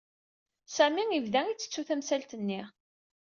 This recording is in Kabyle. Sami yebda ittettu tamsalt-nni.